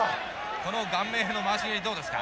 この顔面への回し蹴りどうですか？